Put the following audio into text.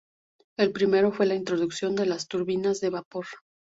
El primero, fue la introducción de las turbinas de vapor.